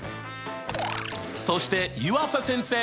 そして湯浅先生！